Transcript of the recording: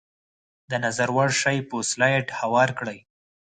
د نظر وړ شی په سلایډ هوار کړئ.